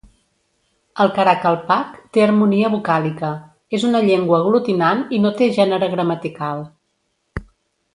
El karakalpak té Harmonia vocàlica, és una llengua aglutinant i no té gènere gramatical.